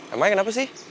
emangnya kenapa sih